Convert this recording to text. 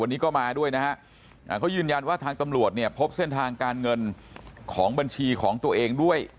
วันนี้ก็มาด้วยนะฮะเขายืนยันว่าทางตำรวจเนี่ยพบเส้นทางการเงินของบัญชีของตัวเองด้วย